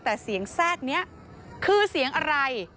แต่เสียงแทรกนี้คือเสียงอะไร